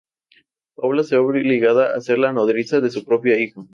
Paula se ve obligada a ser la nodriza de su propia hija.